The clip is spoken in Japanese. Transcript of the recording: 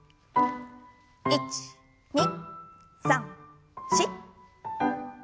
１２３４。